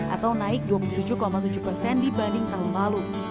atau naik dua puluh tujuh tujuh persen dibanding tahun lalu